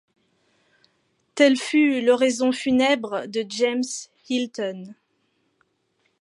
Telle fut l’oraison funèbre de James Hilton.